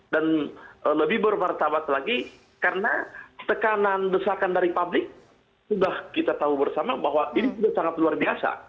dan lebih berpartabat lagi karena tekanan besarkan dari publik sudah kita tahu bersama bahwa ini sangat luar biasa